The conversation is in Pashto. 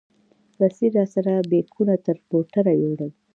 بصیر راسره بیکونه تر موټره یوړل.